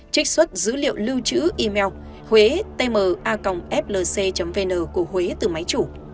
trích xuất dữ liệu lưu chữ email huetma flc vn của huế từ máy chủ